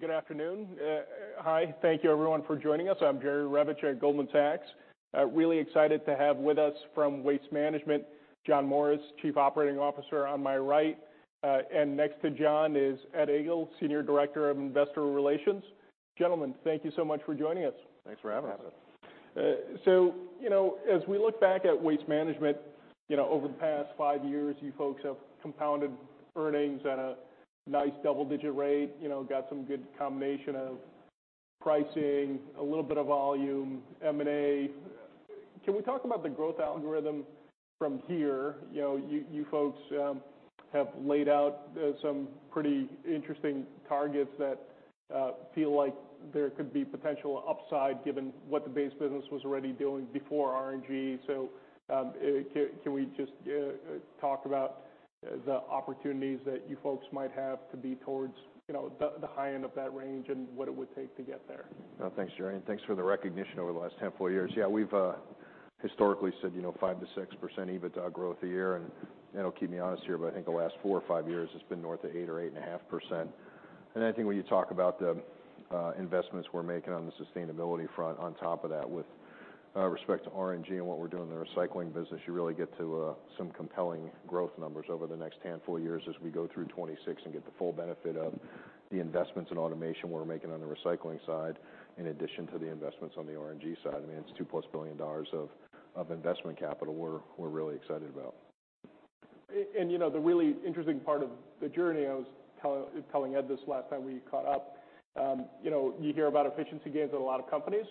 Good afternoon. Hi. Thank you everyone for joining us. I'm Jerry Revich at Goldman Sachs. Really excited to have with us from Waste Management, John Morris, Chief Operating Officer on my right. Next to John is Ed Egl, Senior Director of Investor Relations. Gentlemen, thank you so much for joining us. Thanks for having us. Thanks for having us. You know, as we look back at Waste Management, you know, over the past five years, you folks have compounded earnings at a nice double-digit rate, you know, got some good combination of pricing, a little bit of volume, M&A. Can we talk about the growth algorithm from here? You know, you folks have laid out some pretty interesting targets that feel like there could be potential upside given what the base business was already doing before RNG. Can we just talk about the opportunities that you folks might have to be towards, you know, the high end of that range and what it would take to get there? Well, thanks, Jerry, thanks for the recognition over the last handful of years. Yeah, we've historically said, you know, 5%-6% EBITDA growth a year, it'll keep me honest here, I think the last four or five years has been north of 8% or 8.5%. I think when you talk about the investments we're making on the sustainability front on top of that with respect to RNG and what we're doing in the recycling business, you really get to some compelling growth numbers over the next handful of years as we go through 2026 and get the full benefit of the investments in automation we're making on the recycling side, in addition to the investments on the RNG side. I mean, it's $2+ billion of investment capital we're really excited about. you know, the really interesting part of the journey, I was telling Ed this last time we caught up, you know, you hear about efficiency gains at a lot of companies.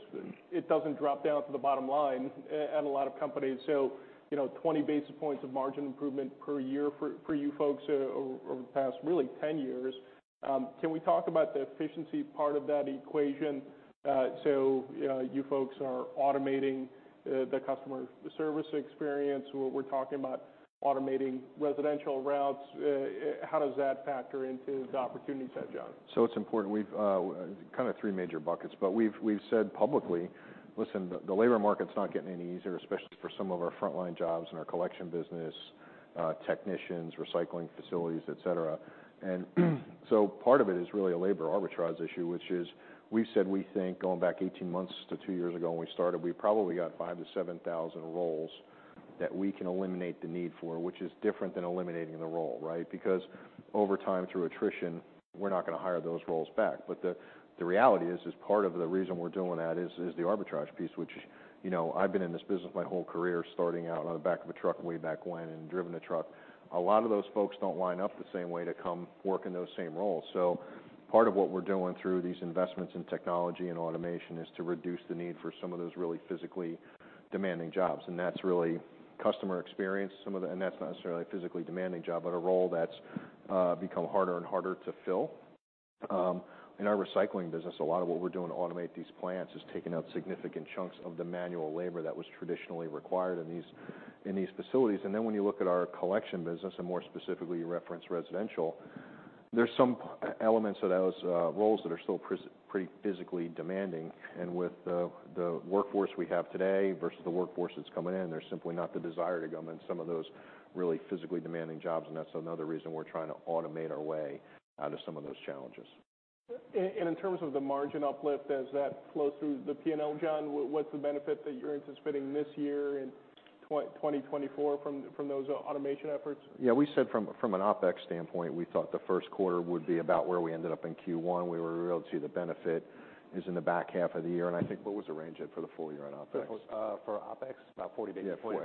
It doesn't drop down to the bottom line at a lot of companies. you know, 20 basis points of margin improvement per year for you folks over the past really 10 years. Can we talk about the efficiency part of that equation? so, you know, you folks are automating the customer service experience. We're talking about automating residential routes. how does that factor into the opportunity set, John? It's important. We've kind of three major buckets, but we've said publicly, listen, the labor market's not getting any easier, especially for some of our frontline jobs in our collection business, technicians, recycling facilities, et cetera. Part of it is really a labor arbitrage issue, which is we've said we think going back 18 months to two years ago when we started, we probably got 5,000-7,000 roles that we can eliminate the need for, which is different than eliminating the role, right? Because over time, through attrition, we're not gonna hire those roles back. The reality is, part of the reason we're doing that is the arbitrage piece, which, you know, I've been in this business my whole career, starting out on the back of a truck way back when and driven a truck. A lot of those folks don't line up the same way to come work in those same roles. Part of what we're doing through these investments in technology and automation is to reduce the need for some of those really physically demanding jobs. That's really customer experience. Some of... That's not necessarily a physically demanding job, but a role that's become harder and harder to fill. In our recycling business, a lot of what we're doing to automate these plants is taking out significant chunks of the manual labor that was traditionally required in these facilities. When you look at our collection business, and more specifically, you referenced residential, there's some elements of those roles that are still pretty physically demanding. With the workforce we have today versus the workforce that's coming in, there's simply not the desire to come in some of those really physically demanding jobs. That's another reason we're trying to automate our way out of some of those challenges. In terms of the margin uplift, as that flows through the P&L, John, what's the benefit that you're anticipating this year in 2024 from those automation efforts? Yeah, we said from an OpEx standpoint, I thought the first quarter would be about where we ended up in Q1. We were able to see the benefit is in the back half of the year. I think, what was the range at for the full year on OpEx? For OpEx? About 40 basis points.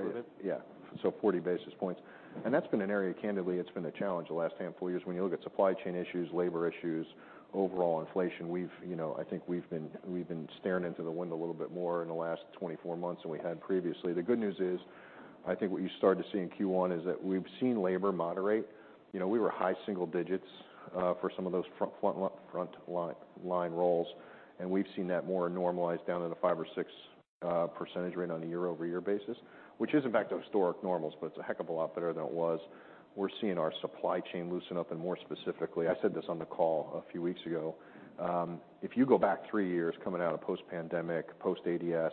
40 basis points. That's been an area, candidly, it's been a challenge the last handful of years. When you look at supply chain issues, labor issues, overall inflation, we've, you know, I think we've been staring into the wind a little bit more in the last 24 months than we had previously. The good news is, I think what you started to see in Q1 is that we've seen labor moderate. You know, we were high single digits for some of those front line roles, and we've seen that more normalized down to the 5% or 6% on a year-over-year basis, which isn't back to historic normals, but it's a heck of a lot better than it was. We're seeing our supply chain loosen up. More specifically, I said this on the call a few weeks ago, if you go back three years coming out of post-pandemic, post-ADS,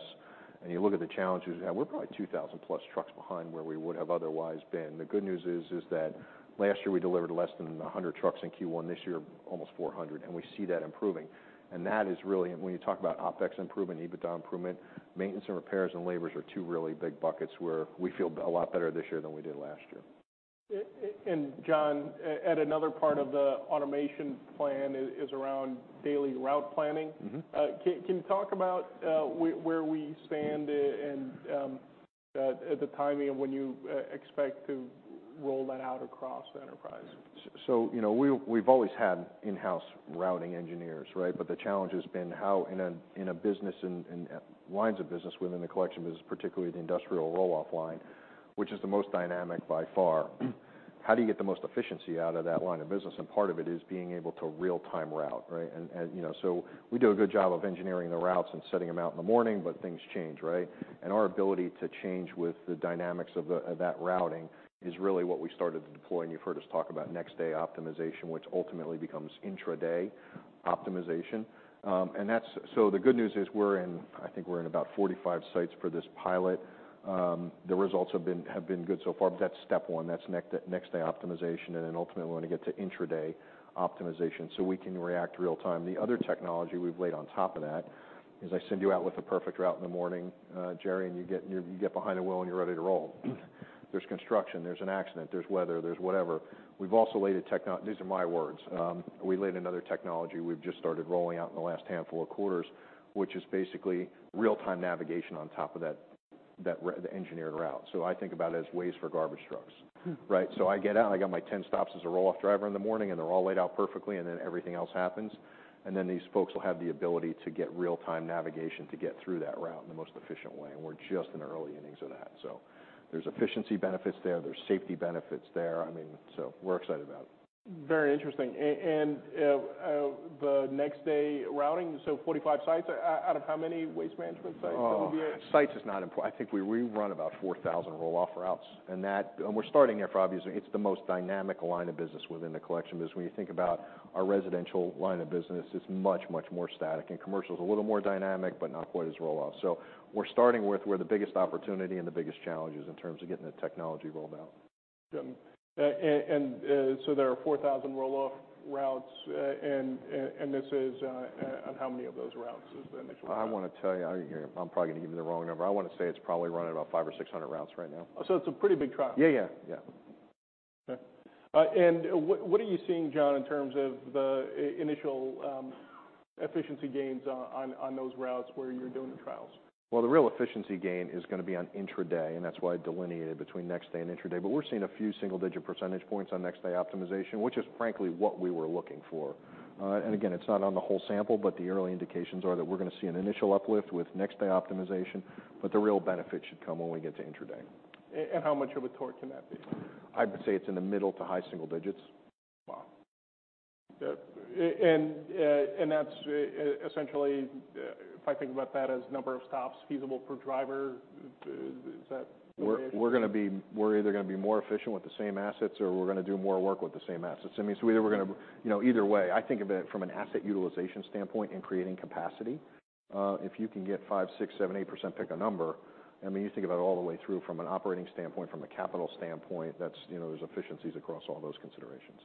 and you look at the challenges we had, we're probably 2,000+ trucks behind where we would have otherwise been. The good news is that last year we delivered less than 100 trucks in Q1. This year, almost 400, and we see that improving. That is really, when you talk about OpEx improvement, EBITDA improvement, maintenance and repairs and labors are two really big buckets where we feel a lot better this year than we did last year. John, at another part of the automation plan is around daily route planning. Mm-hmm. Can you talk about where we stand and, the timing of when you expect to roll that out across enterprise? You know, we've always had in-house routing engineers, right? The challenge has been how in a business and lines of business within the collection business, particularly the industrial roll-off line, which is the most dynamic by far. How do you get the most efficiency out of that line of business? Part of it is being able to real time route, right? You know, we do a good job of engineering the routes and sending them out in the morning, but things change, right? Our ability to change with the dynamics of that routing is really what we started to deploy. You've heard us talk about next day optimization, which ultimately becomes intra-day optimization. The good news is I think we're in about 45 sites for this pilot. The results have been good so far, but that's step one. That's next day optimization, and then ultimately we want to get to intra-day optimization, so we can react real time. The other technology we've laid on top of that is I send you out with a perfect route in the morning, Jerry, and you get behind the wheel and you're ready to roll. There's construction, there's an accident, there's weather, there's whatever. We've also laid These are my words. We laid another technology we've just started rolling out in the last handful of quarters, which is basically real-time navigation on top of that, the engineered route. I think about it as Waze for garbage trucks, right? I get out, I got my 10 stops as a roll off driver in the morning, and they're all laid out perfectly, and then everything else happens. These folks will have the ability to get real time navigation to get through that route in the most efficient way, and we're just in the early innings of that. There's efficiency benefits there's safety benefits there. I mean, we're excited about it. Very interesting. The next day routing, so 45 sites out of how many Waste Management sites altogether? sites is not. I think we run about 4,000 roll off routes. We're starting there for obvious reasons. It's the most dynamic line of business within the collection business. When you think about our residential line of business, it's much more static, commercial's a little more dynamic, but not quite as roll off. We're starting with where the biggest opportunity and the biggest challenge is in terms of getting the technology rolled out. There are 4,000 roll-off routes, and this is, on how many of those routes is the initial route? I don't wanna tell you. I'm probably gonna give you the wrong number. I wanna say it's probably running about 500 or 600 routes right now. it's a pretty big trial. Yeah, yeah. Yeah. Okay. What are you seeing, John, in terms of the initial efficiency gains on those routes where you're doing the trials? The real efficiency gain is gonna be on intra-day, and that's why I delineated between next day and intra-day. We're seeing a few single-digit percentage points on next day optimization, which is frankly what we were looking for. It's not on the whole sample, but the early indications are that we're gonna see an initial uplift with next day optimization, but the real benefit should come when we get to intra-day. How much of a torque can that be? I would say it's in the middle to high single digits. Wow. That's essentially, if I think about that as number of stops feasible per driver, is that the way to-? We're either gonna be more efficient with the same assets, or we're gonna do more work with the same assets. I mean, either way, I think of it from an asset utilization standpoint and creating capacity. If you can get 5%, 6%, 7%, 8%, pick a number, I mean, you think about it all the way through from an operating standpoint, from a capital standpoint, that's, you know, there's efficiencies across all those considerations.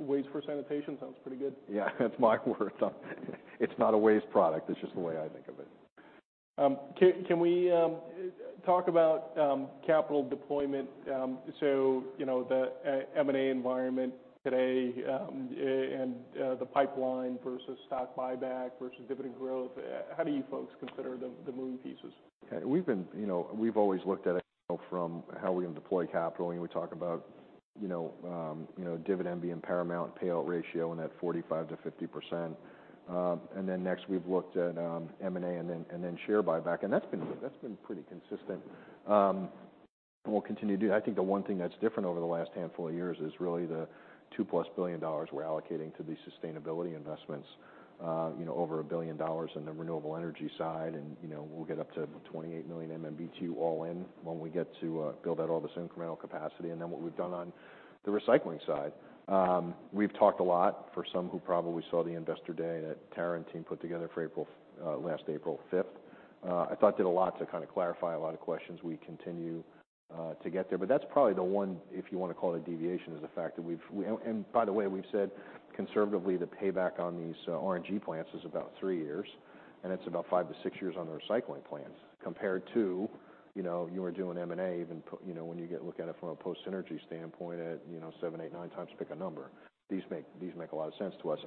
Waze for sanitation sounds pretty good. That's my word. It's not a Waze product. It's just the way I think of it. Can we talk about capital deployment, so, you know, the M&A environment today, and the pipeline versus stock buyback versus dividend growth? How do you folks consider the moving pieces? We've been, you know, we've always looked at it from how we're gonna deploy capital. We talk about, you know, dividend being paramount, payout ratio in that 45%-50%. Then next we've looked at M&A, then share buyback. That's been pretty consistent. We'll continue to do that. I think the one thing that's different over the last handful of years is really the $2+ billion we're allocating to these sustainability investments. You know, over $1 billion in the renewable energy side and, you know, we'll get up to 28 million MMBtu all in when we get to build out all this incremental capacity and then what we've done on the recycling side. we've talked a lot, for some who probably saw the Investor Day that Tara team put together for last April fifth, I thought did a lot to kind of clarify a lot of questions we continue to get there. That's probably the one, if you wanna call it a deviation, is the fact that we've. By the way, we've said conservatively the payback on these RNG plants is about three years, and it's about five-six years on the recycling plants, compared to, you know, you were doing M&A even you know, when you look at it from a post synergy standpoint at, you know, seven, eight, nine times, pick a number. These make a lot of sense to us.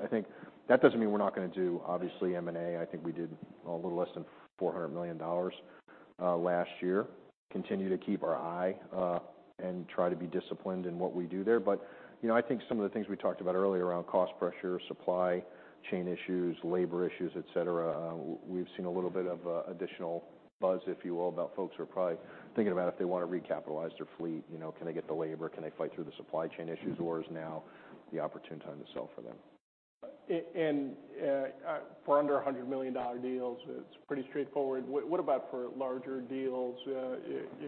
That doesn't mean we're not gonna do, obviously, M&A. I think we did a little less than $400 million last year. Continue to keep our eye and try to be disciplined in what we do there. You know, I think some of the things we talked about earlier around cost pressure, supply chain issues, labor issues, et cetera, we've seen a little bit of additional buzz, if you will, about folks who are probably thinking about if they wanna recapitalize their fleet. You know, can they get the labor? Can they fight through the supply chain issues, or is now the opportune time to sell for them? For under $100 million deals, it's pretty straightforward. What about for larger deals, you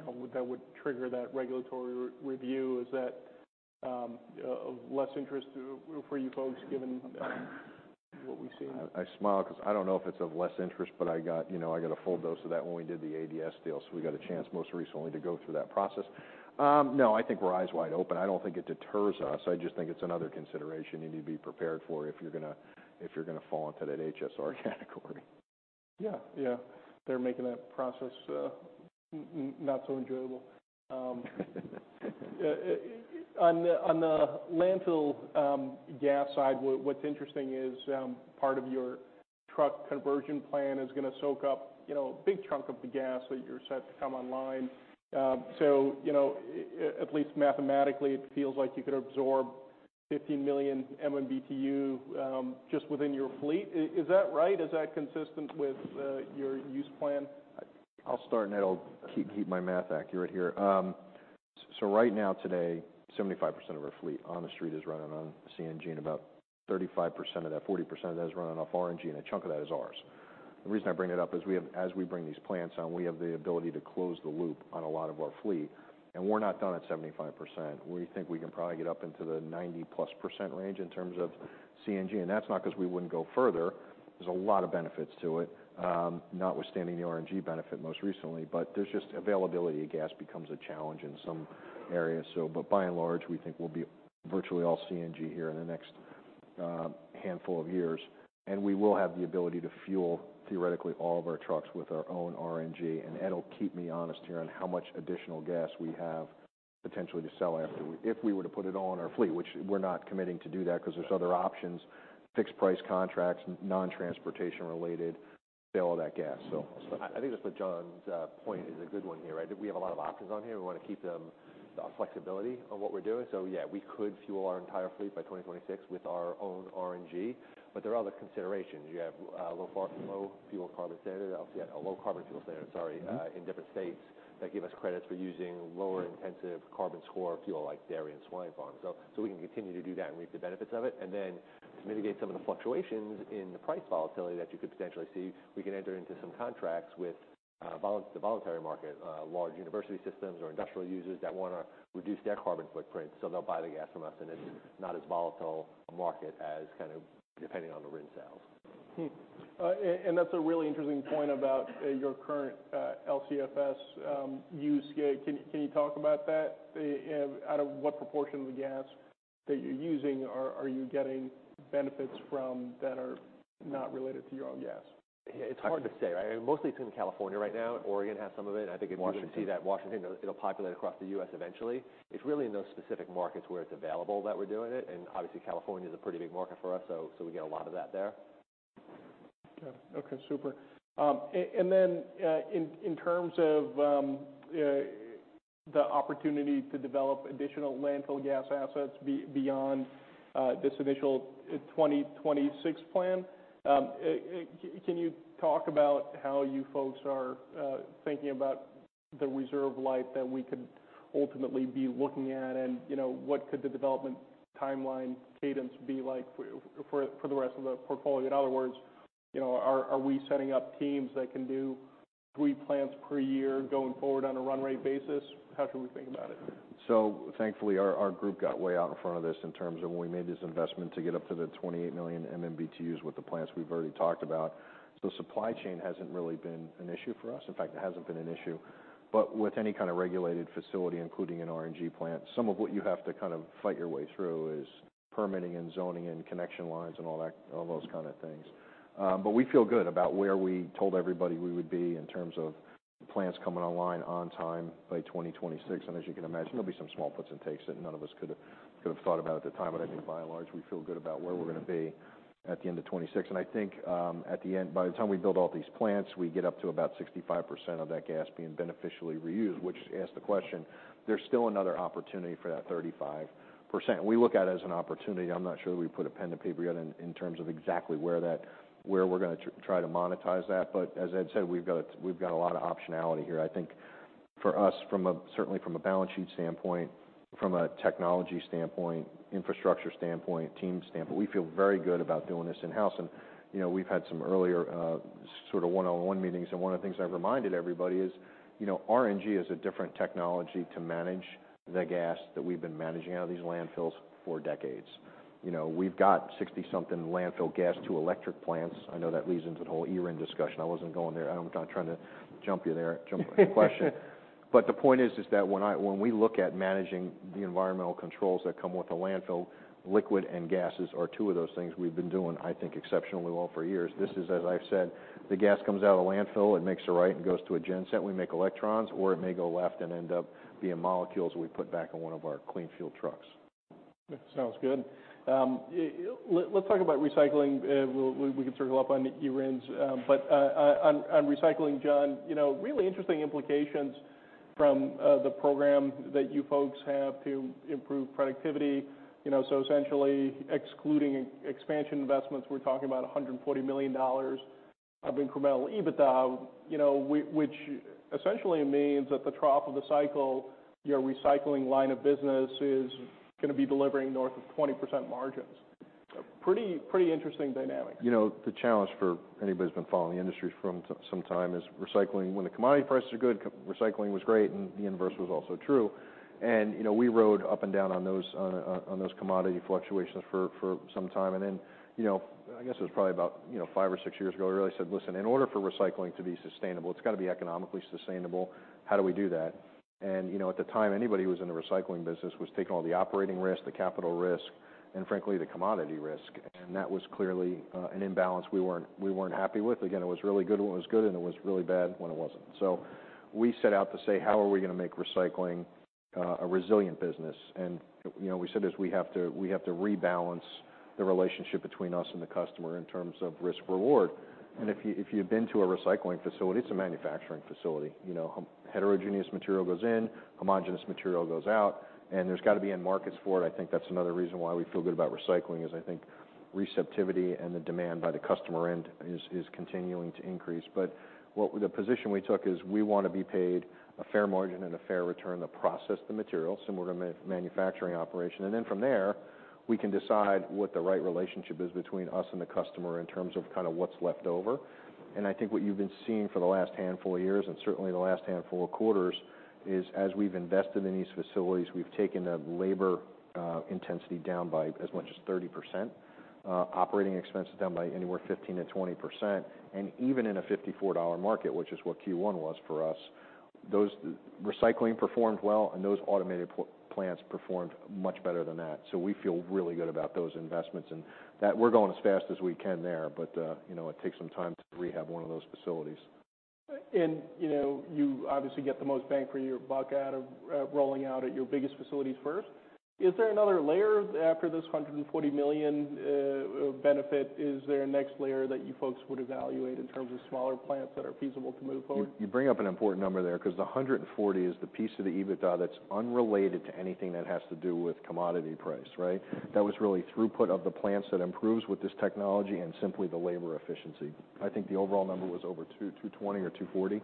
know, that would trigger that regulatory re-review? Is that of less interest for you folks given what we've seen? I smile 'cause I don't know if it's of less interest. I got, you know, I got a full dose of that when we did the ADS deal. We got a chance most recently to go through that process. No, I think we're eyes wide open. I don't think it deters us. I just think it's another consideration you need to be prepared for if you're gonna fall into that HSR category. Yeah. Yeah. They're making that process not so enjoyable. On the landfill gas side, what's interesting is, part of your truck conversion plan is gonna soak up, you know, a big chunk of the gas that you're set to come online. You know, at least mathematically, it feels like you could absorb 15 million MMBtu just within your fleet. Is that right? Is that consistent with your use plan? I'll start, and Ed'll keep my math accurate here. Right now, today, 75% of our fleet on the street is running on CNG, 35% of that, 40% of that is running off RNG, a chunk of that is ours. The reason I bring that up is as we bring these plants on, we have the ability to close the loop on a lot of our fleet, and we're not done at 75%. We think we can probably get up into the 90%+ range in terms of CNG. That's not 'cause we wouldn't go further. There's a lot of benefits to it, notwithstanding the RNG benefit most recently. There's just availability of gas becomes a challenge in some areas. By and large, we think we'll be virtually all CNG here in the next handful of years. We will have the ability to fuel, theoretically, all of our trucks with our own RNG. Ed'll keep me honest here on how much additional gas we have potentially to sell if we were to put it all on our fleet, which we're not committing to do that 'cause there's other options, fixed price contracts, non-transportation related, sell all that gas. I think that's what John's point is a good one here, right? That we have a lot of options on here. We wanna keep them, the flexibility of what we're doing. Yeah, we could fuel our entire fleet by 2026 with our own RNG, but there are other considerations. You have low fuel carbon standard, low carbon fuel standard, sorry, in different states that give us credits for using lower intensive carbon score fuel like dairy and swine farms. We can continue to do that and reap the benefits of it, and then to mitigate some of the fluctuations in the price volatility that you could potentially see, we can enter into some contracts with the voluntary market, large university systems or industrial users that wanna reduce their carbon footprint, so they'll buy the gas from us, and it's not as volatile a market as kind of depending on the RIN sales. That's a really interesting point about your current LCFS use. Can you talk about that? Out of what proportion of the gas that you're using are you getting benefits from that are not related to your own gas? It's hard to say, right? Mostly it's in California right now. Oregon has some of it. I think if you can see that- Washington. Washington. It'll populate across the U.S. eventually. It's really in those specific markets where it's available that we're doing it, and obviously, California's a pretty big market for us, so we get a lot of that there. Okay. Okay, super. In terms of the opportunity to develop additional landfill gas assets beyond this initial 2026 plan, can you talk about how you folks are thinking about the reserve life that we could ultimately be looking at? You know, what could the development timeline cadence be like for the rest of the portfolio? In other words, you know, are we setting up teams that can do three plants per year going forward on a run rate basis? How should we think about it? Thankfully, our group got way out in front of this in terms of when we made this investment to get up to the 28 million MMBtus with the plants we've already talked about. Supply chain hasn't really been an issue for us. In fact, it hasn't been an issue. With any kind of regulated facility, including an RNG plant, some of what you have to kind of fight your way through is permitting and zoning and connection lines and all that, all those kind of things. But we feel good about where we told everybody we would be in terms of plants coming online on time by 2026. As you can imagine, there'll be some small puts and takes that none of us could've thought about at the time. I think by and large, we feel good about where we're gonna be at the end of 2026. I think, at the end, by the time we build all these plants, we get up to about 65% of that gas being beneficially reused, which asks the question, there's still another opportunity for that 35%. We look at it as an opportunity. I'm not sure we put a pen to paper yet in terms of exactly where that, where we're gonna try to monetize that. As Ed said, we've got, we've got a lot of optionality here. I think for us, certainly from a balance sheet standpoint, from a technology standpoint, infrastructure standpoint, team standpoint, we feel very good about doing this in-house. You know, we've had some earlier, sort of one-on-one meetings, and one of the things I've reminded everybody is, you know, RNG is a different technology to manage the gas that we've been managing out of these landfills for decades. You know, we've got 60-something landfill gas to electric plants. I know that leads into the whole ERIN discussion. I wasn't going there. I'm not trying to jump you there, jump the question. The point is that when we look at managing the environmental controls that come with a landfill, liquid and gases are two of those things we've been doing, I think, exceptionally well for years. This is, as I've said, the gas comes out of the landfill, it makes a right and goes to a gen set. We make electrons, or it may go left and end up being molecules we put back in one of our clean fuel trucks. Sounds good. Let's talk about recycling. We can circle up on eRIN. On recycling, John, you know, really interesting implications from the program that you folks have to improve productivity. You know, essentially excluding expansion investments, we're talking about $140 million of incremental EBITDA, you know, which essentially means that the trough of the cycle, your recycling line of business is gonna be delivering north of 20% margins. A pretty interesting dynamic. You know, the challenge for anybody who's been following the industry from some time is recycling. When the commodity prices are good, recycling was great, and the inverse was also true. You know, we rode up and down on those commodity fluctuations for some time. Then, you know, I guess it was probably about, you know, five or six years ago, we really said, "Listen, in order for recycling to be sustainable, it's got to be economically sustainable. How do we do that?" You know, at the time, anybody who was in the recycling business was taking all the operating risk, the capital risk, and frankly, the commodity risk. That was clearly an imbalance we weren't happy with. Again, it was really good when it was good, and it was really bad when it wasn't. We set out to say, how are we gonna make recycling a resilient business? You know, we said is we have to rebalance the relationship between us and the customer in terms of risk reward. If you've been to a recycling facility, it's a manufacturing facility. You know, heterogeneous material goes in, homogeneous material goes out, and there's got to be end markets for it. I think that's another reason why we feel good about recycling is I think receptivity and the demand by the customer end is continuing to increase. The position we took is we wanna be paid a fair margin and a fair return to process the material, similar to manufacturing operation. From there, we can decide what the right relationship is between us and the customer in terms of kinda what's left over. I think what you've been seeing for the last handful of years, and certainly the last handful of quarters, is as we've invested in these facilities, we've taken the labor intensity down by as much as 30%, operating expenses down by anywhere 15%-20%. Even in a $54 market, which is what Q1 was for us, those recycling performed well, and those automated plants performed much better than that. We feel really good about those investments and that we're going as fast as we can there, but, you know, it takes some time to rehab one of those facilities. You know, you obviously get the most bang for your buck out of rolling out at your biggest facilities first. Is there another layer after this $140 million benefit? Is there a next layer that you folks would evaluate in terms of smaller plants that are feasible to move forward? You bring up an important number there 'cause the $140 is the piece of the EBITDA that's unrelated to anything that has to do with commodity price, right? That was really throughput of the plants that improves with this technology and simply the labor efficiency. I think the overall number was over $200, $220 or $240.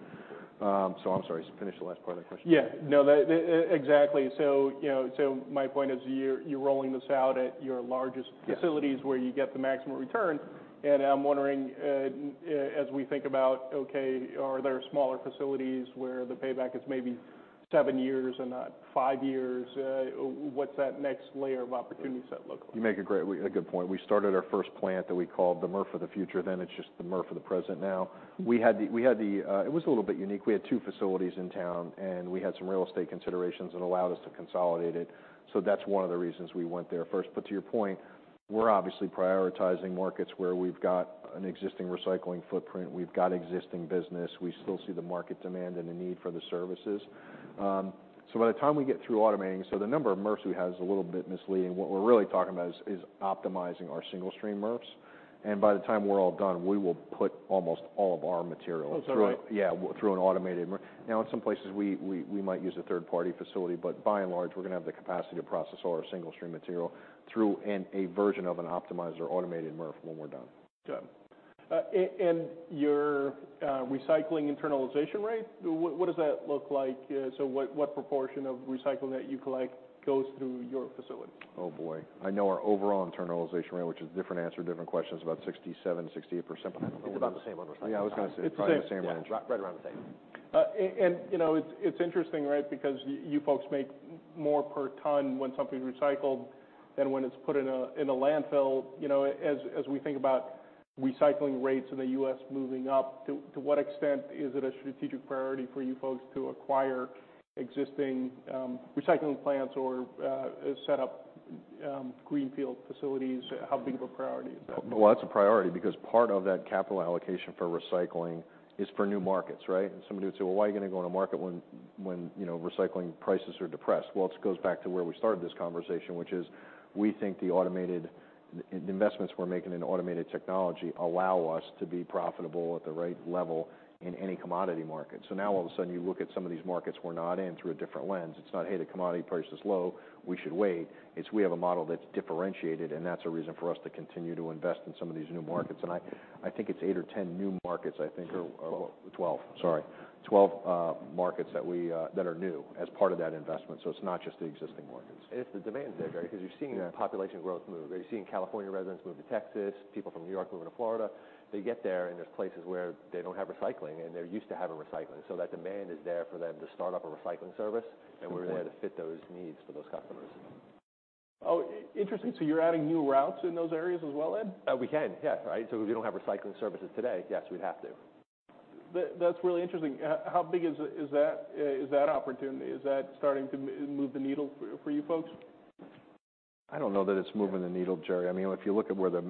I'm sorry, finish the last part of the question. Yeah. No, exactly. you know, my point is you're rolling this out at your largest- Yes... facilities where you get the maximum return, and I'm wondering, as we think about, okay, are there smaller facilities where the payback is maybe 7 years and not 5 years? What's that next layer of opportunity set look like? You make a good point. We started our first plant that we called the MRF of the future, then it's just the MRF of the present now. We had the... It was a little bit unique. We had two facilities in town, and we had some real estate considerations that allowed us to consolidate it. That's one of the reasons we went there first. To your point, we're obviously prioritizing markets where we've got an existing recycling footprint, we've got existing business, we still see the market demand and the need for the services. By the time we get through automating... The number of MRFs we have is a little bit misleading. What we're really talking about is optimizing our single stream MRFs. By the time we're all done, we will put almost all of our material through- Oh, is that right? Yeah, through an automated MRF. Now, in some places, we might use a third-party facility, but by and large, we're gonna have the capacity to process all our single stream material through a version of an optimizer automated MRF when we're done. Got it. Your recycling internalization rate, what does that look like? What proportion of recycling that you collect goes through your facility? Oh, boy. I know our overall internalization rate, which is different answer, different questions, about 67%-68%, but I don't know. It's about the same over time. Yeah, I was gonna say, probably the same range. Yeah, right around the same. You know, it's interesting, right? Because you folks make more per ton when something's recycled than when it's put in a landfill. You know, as we think about recycling rates in the U.S. moving up, to what extent is it a strategic priority for you folks to acquire existing recycling plants or set up greenfield facilities? How big of a priority is that? Well, that's a priority because part of that capital allocation for recycling is for new markets, right? Somebody would say, "Well, why are you going to go in a market when, you know, recycling prices are depressed?" Well, it goes back to where we started this conversation, which is we think the investments we're making in automated technology allow us to be profitable at the right level in any commodity market. Now all of a sudden, you look at some of these markets we're not in through a different lens. It's not, "Hey, the commodity price is low, we should wait." It's, we have a model that's differentiated, and that's a reason for us to continue to invest in some of these new markets. I think it's eight or 10 new markets, I think. Twelve... 12, sorry. 12 markets that we, that are new as part of that investment, so it's not just the existing markets. It's the demand there, Jerry, 'cause you're seeing. Yeah... population growth move, right? You're seeing California residents move to Texas, people from New York moving to Florida. They get there's places where they don't have recycling, and they're used to having recycling. That demand is there for them to start up a recycling service. Good point. We're there to fit those needs for those customers. Oh, interesting. you're adding new routes in those areas as well, Ed? we can, yeah, right? If you don't have recycling services today, yes, we'd have to. That's really interesting. How big is that opportunity? Is that starting to move the needle for you folks? I don't know that it's moving the needle, Jerry. I mean, if you look at where the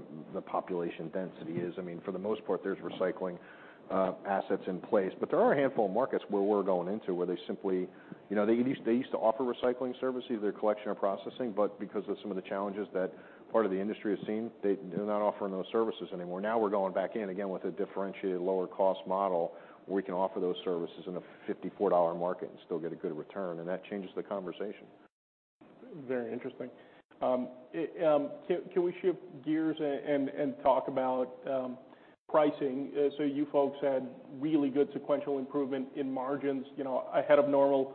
population density is, I mean, for the most part, there's recycling assets in place. But there are a handful of markets where we're going into where they simply... You know, they used to offer recycling services, either collection or processing, but because of some of the challenges that part of the industry has seen, they're not offering those services anymore. Now we're going back in again with a differentiated lower cost model where we can offer those services in a $54 market and still get a good return, and that changes the conversation. Very interesting. Can we shift gears and talk about pricing? You folks had really good sequential improvement in margins, you know, ahead of normal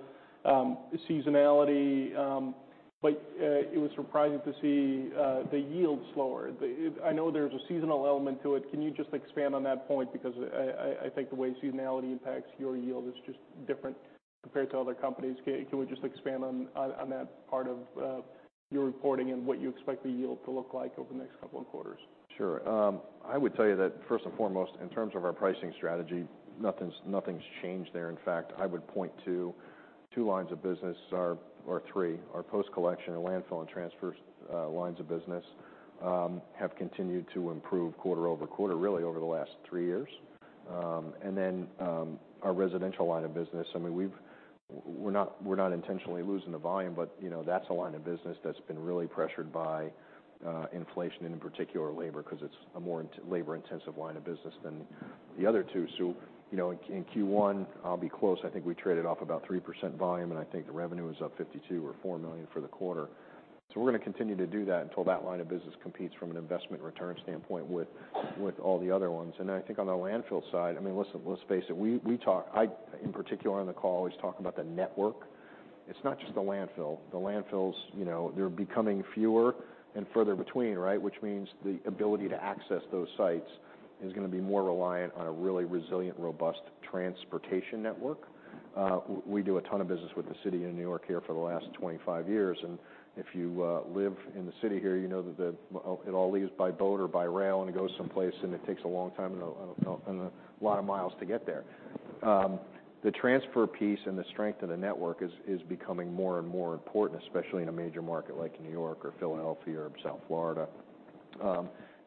seasonality, it was surprising to see the yield slower. I know there's a seasonal element to it. Can you just expand on that point? Because I think the way seasonality impacts your yield is just different compared to other companies. Can we just expand on that part of your reporting and what you expect the yield to look like over the next couple of quarters? Sure. I would tell you that first and foremost, in terms of our pricing strategy, nothing's changed there. In fact, I would point to two lines of business, or three. Our post-collection and landfill and transfer lines of business have continued to improve quarter-over-quarter, really over the last three years. Our residential line of business, I mean, we're not intentionally losing the volume, but, you know, that's a line of business that's been really pressured by inflation and in particular labor, 'cause it's a more labor intensive line of business than the other two. You know, in Q1, I'll be close, I think we traded off about 3% volume, and I think the revenue was up $52 million or $54 million for the quarter. We're gonna continue to do that until that line of business competes from an investment return standpoint with all the other ones. I think on the landfill side, I mean, listen, let's face it. We talk... I, in particular, on the call, always talk about the network. It's not just the landfill. The landfills, you know, they're becoming fewer and further between, right? Which means the ability to access those sites is gonna be more reliant on a really resilient, robust transportation network. We do a ton of business with the city in New York here for the last 25 years, and if you live in the city here, you know that the... it all leaves by boat or by rail, and it goes someplace, and it takes a long time and a lot of miles to get there. The transfer piece and the strength of the network is becoming more and more important, especially in a major market like New York or Philadelphia or South Florida.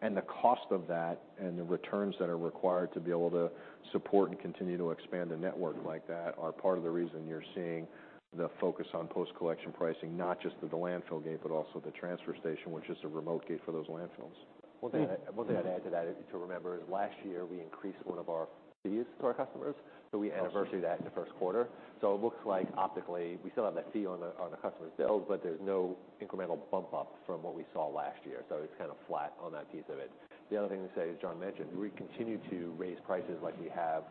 The cost of that and the returns that are required to be able to support and continue to expand a network like that are part of the reason you're seeing the focus on post-collection pricing, not just at the landfill gate, but also the transfer station, which is a remote gate for those landfills. One thing I'd add to that, to remember is last year, we increased one of our fees to our customers, so we anniversary that in the first quarter. It looks like optically, we still have that fee on the, on the customer's bills, but there's no incremental bump up from what we saw last year. It's kind of flat on that piece of it. The other thing to say, as John mentioned, we continue to raise prices like we have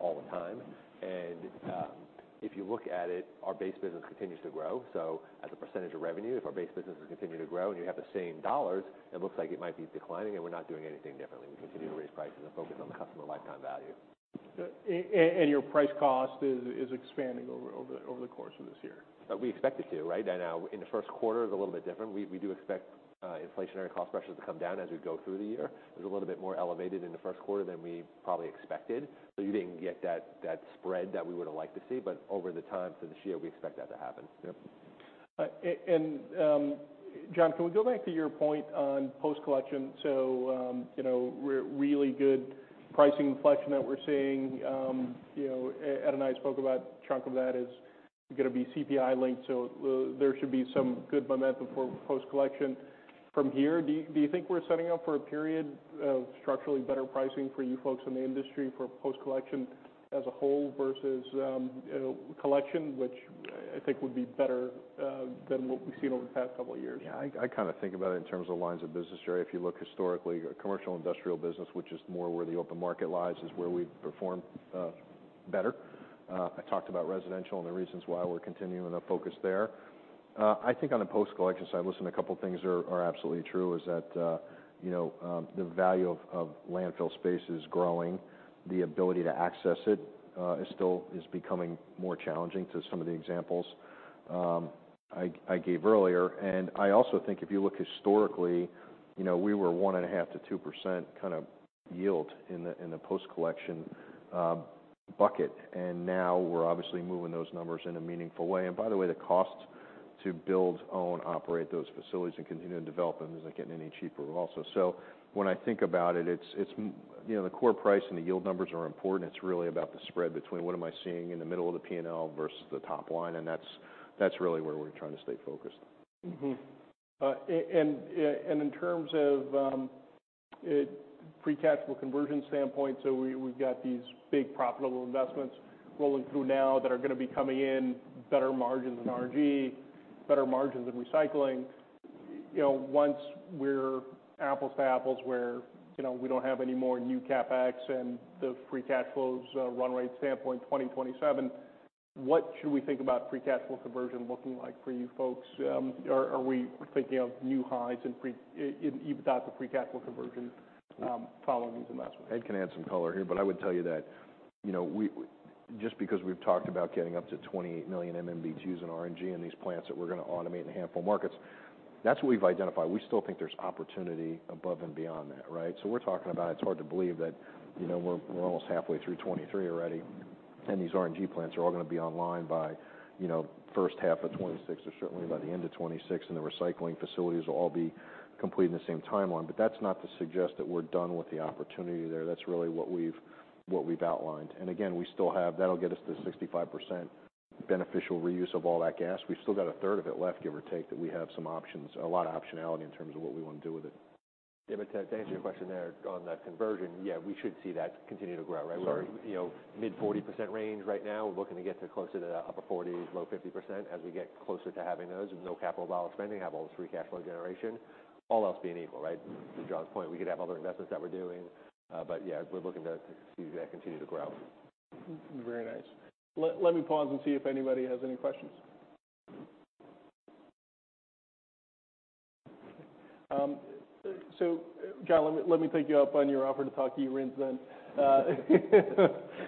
all the time. If you look at it, our base business continues to grow. As a percentage of revenue, if our base business is continuing to grow, and you have the same dollars, it looks like it might be declining, and we're not doing anything differently. We continue to raise prices and focus on the customer lifetime value. Your price cost is expanding over the course of this year. We expect it to, right? In the first quarter, it's a little bit different. We do expect inflationary cost pressures to come down as we go through the year. It was a little bit more elevated in the first quarter than we probably expected, so you didn't get that spread that we would've liked to see. Over the time for this year, we expect that to happen. Yep. John, can we go back to your point on post-collection? You know, really good pricing inflection that we're seeing, you know, Ed and I spoke about a chunk of that is gonna be CPI linked. There should be some good momentum for post-collection from here. Do you think we're setting up for a period of structurally better pricing for you folks in the industry for post-collection as a whole versus, you know, collection, which I think would be better than what we've seen over the past couple of years? Yeah. I kind of think about it in terms of lines of business, Jerry. If you look historically, commercial industrial business, which is more where the open market lies, is where we've performed better. I talked about residential and the reasons why we're continuing to focus there. I think on the post-collection side, listen, a couple things are absolutely true is that, you know, the value of landfill space is growing. The ability to access it is still becoming more challenging to some of the examples I gave earlier. I also think if you look historically, you know, we were 1.5%-2% kind of yield in the post-collection bucket, and now we're obviously moving those numbers in a meaningful way. By the way, the cost to build, own, operate those facilities and continue to develop them isn't getting any cheaper also. When I think about it's, you know, the core price and the yield numbers are important. It's really about the spread between what am I seeing in the middle of the P&L versus the top line, and that's really where we're trying to stay focused. In terms of free cash flow conversion standpoint, we've got these big profitable investments rolling through now that are gonna be coming in better margins in RNG, better margins in recycling. You know, once we're apples to apples, where, you know, we don't have any more new CapEx and the free cash flows run rate standpoint 2027, what should we think about free cash flow conversion looking like for you folks? Are we thinking of new highs in in, even without the free cash flow conversion, following these investments? Ed can add some color here, but I would tell you that, you know, just because we've talked about getting up to 28 million MMBtus in RNG in these plants that we're gonna automate in a handful of markets, that's what we've identified. We still think there's opportunity above and beyond that, right? We're talking about, it's hard to believe that, you know, we're almost halfway through 2023 already, and these RNG plants are all gonna be online by, you know, first half of 2026 or certainly by the end of 2026, and the recycling facilities will all be complete in the same timeline. That's not to suggest that we're done with the opportunity there. That's really what we've outlined. That'll get us to 65% beneficial reuse of all that gas. We've still got a third of it left, give or take, that we have some options, a lot of optionality in terms of what we want to do with it. To answer your question there on the conversion, we should see that continue to grow, right? We're, you know, mid-40% range right now. We're looking to get to closer to the upper 40s, low 50% as we get closer to having those with no capital dollar spending, have all this free cash flow generation, all else being equal, right? To John's point, we could have other investments that we're doing. We're looking to see that continue to grow. Very nice. Let me pause and see if anybody has any questions. John, let me take you up on your offer to talk eRIN then. I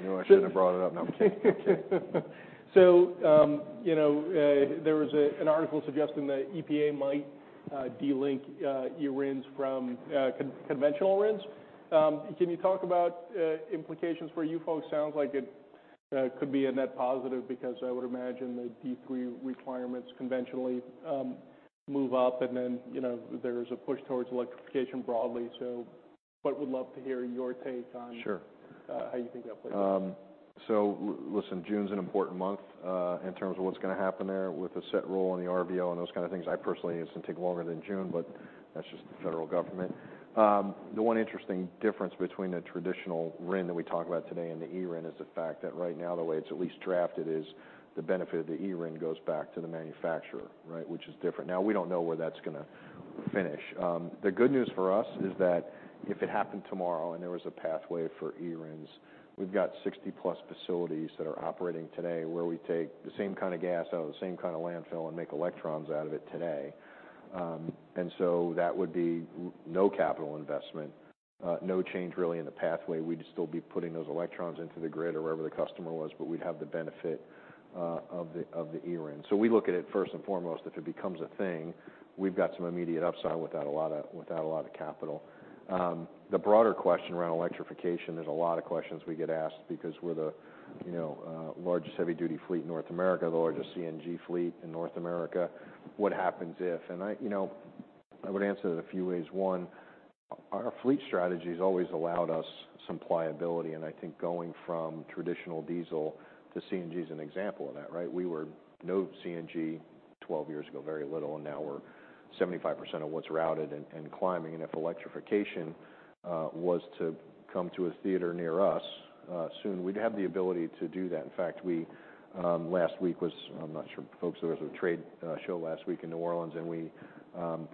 knew I shouldn't have brought it up. No, I'm kidding. I'm kidding. You know, there was an article suggesting that EPA might delink eRIN from conventional RINs. Can you talk about implications for you folks? Sounds like it could be a net positive because I would imagine the D3 requirements conventionally move up, and then, you know, there's a push towards electrification broadly. But would love to hear your take on. Sure... how you think that plays out. Listen, June's an important month in terms of what's gonna happen there with the Set Rule and the RVO and those kind of things. I personally think it's gonna take longer than June, but that's just the federal government. The one interesting difference between a traditional RIN that we talk about today and the eRIN is the fact that right now, the way it's at least drafted isThe benefit of the eRIN goes back to the manufacturer, right, which is different. Now we don't know where that's gonna finish. The good news for us is that if it happened tomorrow and there was a pathway for eRIN, we've got 60-plus facilities that are operating today, where we take the same kind of gas out of the same kind of landfill and make electrons out of it today. That would be no capital investment, no change really in the pathway. We'd still be putting those electrons into the grid or wherever the customer was, but we'd have the benefit of the eRIN. We look at it first and foremost, if it becomes a thing, we've got some immediate upside without a lot of, without a lot of capital. The broader question around electrification, there's a lot of questions we get asked because we're the, you know, largest heavy duty fleet in North America, the largest CNG fleet in North America. What happens if? I, you know, I would answer it a few ways. One, our fleet strategy's always allowed us some pliability, and I think going from traditional diesel to CNG's an example of that, right? We were no CNG 12 years ago, very little, and now we're 75% of what's routed and climbing. If electrification was to come to a theater near us soon, we'd have the ability to do that. In fact, we last week I'm not sure if folks are aware, there was a trade show last week in New Orleans, and we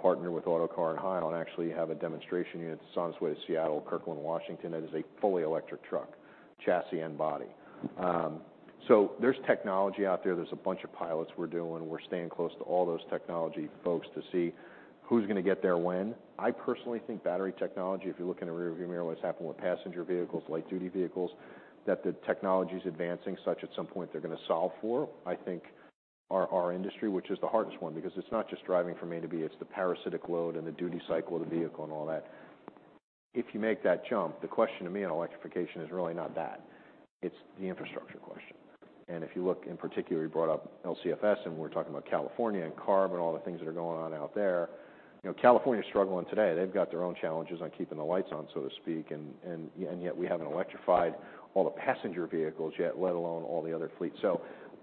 partner with Autocar in Ohio, and actually have a demonstration unit that's on its way to Seattle, Kirkland, Washington, that is a fully electric truck, chassis and body. There's technology out there. There's a bunch of pilots we're doing. We're staying close to all those technology folks to see who's gonna get there when. I personally think battery technology, if you look in the rearview mirror, what's happened with passenger vehicles, light-duty vehicles, that the technology's advancing such at some point they're gonna solve for. I think our industry, which is the hardest one, because it's not just driving from A to B, it's the parasitic load and the duty cycle of the vehicle and all that. If you make that jump, the question to me on electrification is really not that. It's the infrastructure question. If you look in particular, you brought up LCFS, and we're talking about California and CARB and all the things that are going on out there. You know, California's struggling today. They've got their own challenges on keeping the lights on, so to speak, and yet we haven't electrified all the passenger vehicles yet, let alone all the other fleets.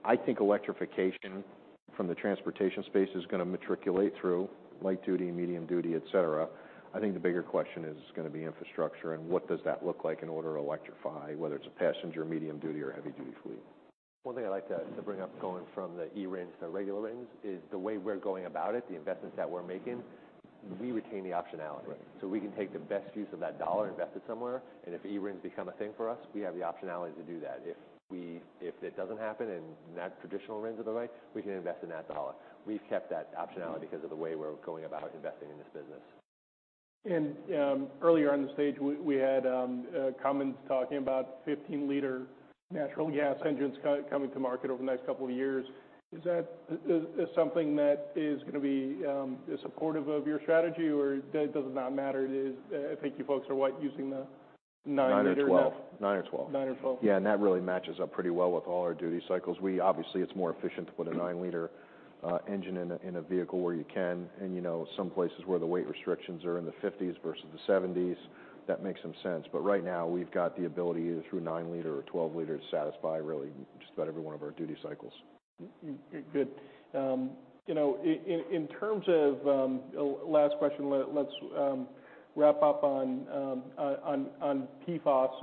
I think electrification from the transportation space is gonna matriculate through light-duty, medium-duty, et cetera. I think the bigger question is gonna be infrastructure and what does that look like in order to electrify, whether it's a passenger, medium-duty or heavy-duty fleet. One thing I'd like to bring up going from the eRIN to regular RINs is the way we're going about it, the investments that we're making, we retain the optionality. Right. we can take the best use of that $ invested somewhere, and if eRIN become a thing for us, we have the optionality to do that. If it doesn't happen and that traditional RINs are the way, we can invest in that $. We've kept that optionality because of the way we're going about investing in this business. Earlier on the stage, we had Cummins talking about 15 L natural gas engines coming to market over the next couple of years. Is that, is something that is gonna be, is supportive of your strategy or does it not matter? I think you folks are, what, using the 9 L now? 9 L or 12 L. 9 L or 12 L. Yeah, that really matches up pretty well with all our duty cycles. We obviously, it's more efficient to put a 9 L engine in a vehicle where you can. You know, some places where the weight restrictions are in the 50s versus the 70s, that makes some sense. Right now we've got the ability through 9 L 12 L to satisfy really just about every one of our duty cycles. Good. you know, in terms of last question, let's wrap up on PFAS.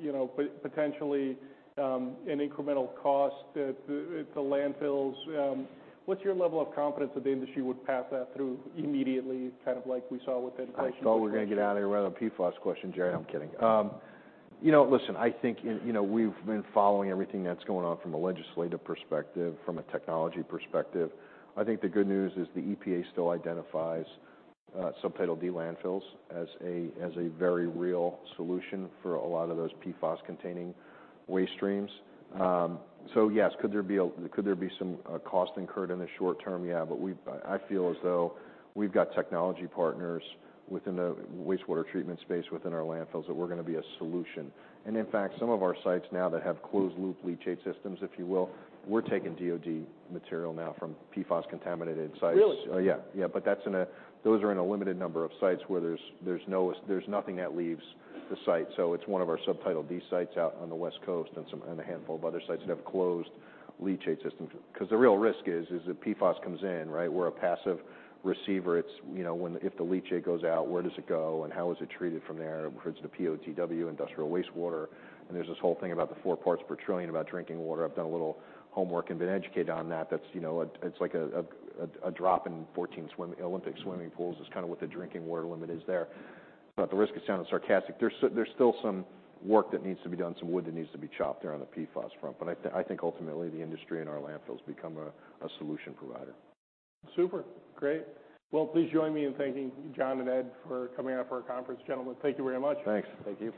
you know, potentially an incremental cost at the landfills. What's your level of confidence that the industry would pass that through immediately, kind of like we saw with inflation? I thought we were gonna get out of here without a PFAS question, Jerry. I'm kidding. You know, listen, I think, you know, we've been following everything that's going on from a legislative perspective, from a technology perspective. I think the good news is the EPA still identifies Subtitle D landfills as a very real solution for a lot of those PFAS-containing waste streams. Yes, could there be some cost incurred in the short term? Yeah. I feel as though we've got technology partners within the wastewater treatment space within our landfills, that we're gonna be a solution. In fact, some of our sites now that have closed loop leachate systems, if you will, we're taking DoD material now from PFAS-contaminated sites. Really? Yeah, yeah. That's in a, those are in a limited number of sites where there's nothing that leaves the site. It's one of our Subtitle D sites out on the West Coast and a handful of other sites that have closed leachate systems. The real risk is if PFAS comes in, right, we're a passive receiver. It's, you know, if the leachate goes out, where does it go, and how is it treated from there? If it's the POTW industrial wastewater, and there's this whole thing about the 4 parts per trillion about drinking water. I've done a little homework and been educated on that. That's, you know, it's like a drop in 14 Olympic swimming pools is kind of what the drinking water limit is there. Not the risk of sounding sarcastic. There's still some work that needs to be done, some wood that needs to be chopped there on the PFAS front. I think ultimately the industry and our landfills become a solution provider. Super. Great. Well, please join me in thanking John and Ed for coming out for our conference. Gentlemen, thank you very much. Thanks. Thank you.